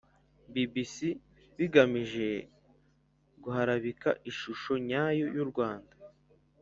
bbc bigamije guharabika ishusho nyayo y'u rwanda